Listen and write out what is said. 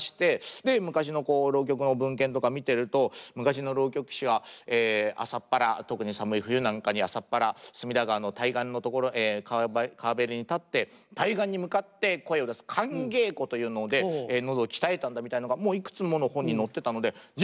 で昔の浪曲の文献とか見てると昔の浪曲師は朝っぱら特に寒い冬なんかに朝っぱら隅田川の対岸の所川べりに立って対岸に向かって声を出す寒稽古というので喉を鍛えたんだみたいのがもういくつもの本に載ってたのでじゃ